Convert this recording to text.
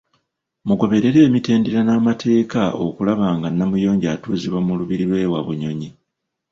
Mugoberere emitendera n’amateeka okulaba nga Namuyonjo atuuzibwa mu lubiri lw’e Wabunyonyi.